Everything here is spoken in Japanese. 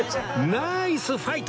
ナイスファイト！